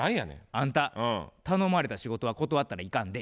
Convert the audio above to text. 「あんた頼まれた仕事は断ったらいかんで」。